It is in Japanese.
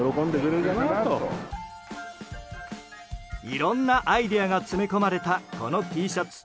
いろんなアイデアが詰め込まれた、このＴシャツ。